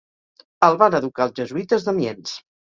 El van educar els jesuïtes d'Amiens.